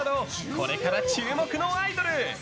これから注目のアイドル。